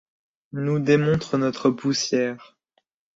Nous démontre notre poussière